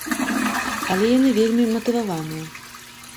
Але яны вельмі матываваныя.